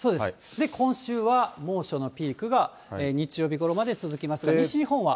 今週は猛暑のピークが日曜日ごろまで続きますが、西日本は。